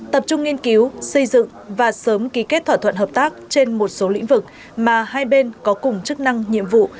tập trung nghiên cứu xây dựng và sớm ký kết thỏa thuận hợp tác trên một số lĩnh vực mà hai bên có cùng chức năng nhiệm vụ